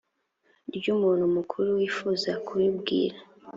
ry umuntu mukuru wifuza kubibwira